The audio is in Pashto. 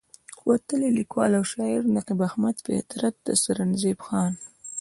وتلے ليکوال او شاعر نقيب احمد فطرت د سرنزېب خان